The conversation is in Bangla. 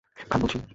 খান, বলছি।